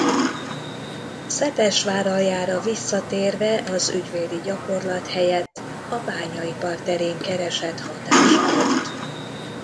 Szepesváraljára visszatérve az ügyvédi gyakorlat helyett a bányaipar terén keresett hatáskört.